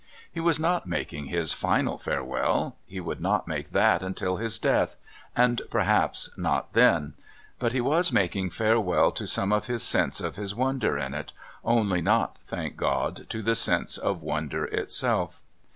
He was not making his final farewell; he would not make that until his death, and, perhaps, not then; but he was making farewell to some of his sense of his wonder in it, only not, thank God, to the sense of wonder itself!